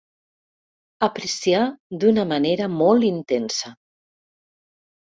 Apreciar d'una manera molt intensa.